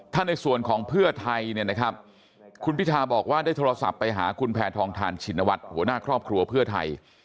ถ้าในส่วนของเพื่อไทยเนี่ยนะครับคุณพิทาบอกว่าได้โทรศัพท์ไปหาคุณแพทองทานชินวัฒน์หัวหน้าครอบครัวเพื่อไทย